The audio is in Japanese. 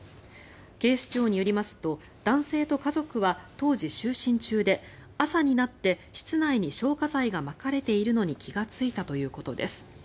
警視庁によりますと男性と家族は当時、就寝中で朝になって、室内に消火剤がまかれているのに気がついたということです。